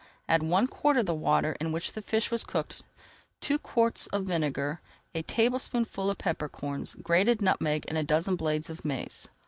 Add one quart of the water in which the fish was cooked, two quarts of vinegar, a tablespoonful of pepper corns, grated nutmeg and a dozen blades of mace.